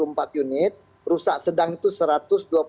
rumah yang rusak sedang itu satu ratus dua puluh lima unit